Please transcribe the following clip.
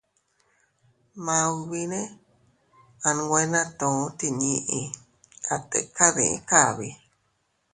Maubine a nwe natu tinni, a tika dii kabi.